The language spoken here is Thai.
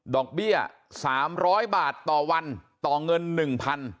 ดอกเบี้ยสามร้อยบาทต่อวันต่อเงินหนึ่งพัน